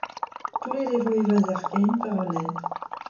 Toullet e voe va sac'h kein war an hent.